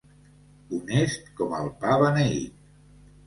Honest com el pa beneit.